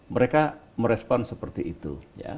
mereka merespon seperti itu